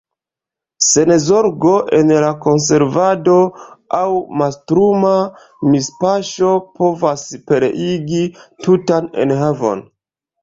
Senzorgo en la konservado aŭ mastruma mispaŝo povas pereigi tutan enhavon.